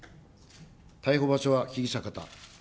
逮捕場所は被疑者方。